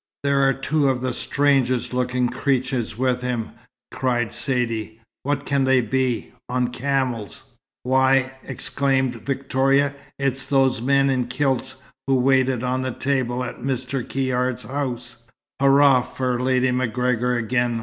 "There are two of the strangest looking creatures with him!" cried Saidee. "What can they be on camels!" "Why," exclaimed Victoria, "it's those men in kilts, who waited on the table at Mr. Caird's house!" "Hurrah for Lady MacGregor again!"